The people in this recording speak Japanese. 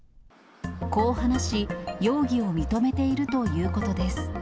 こう話し、容疑を認めているということです。